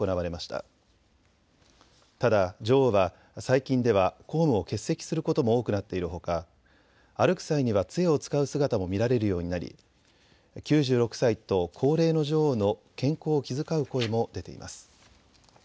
ただ女王は最近では公務を欠席することも多くなっているほか歩く際にはつえを使う姿も見られるようになり９６歳と高齢の女王の健康を気遣う声も出ています。